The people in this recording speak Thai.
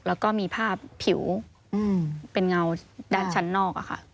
แล้วก็มีภาพผิวเป็นเงาด้านชั้นนอกอะค่ะ